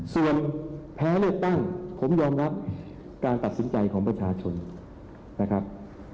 ส่วนแพ้เลือกตั้งผมยอมรับการตัดสินใจของประชาชนนะครับ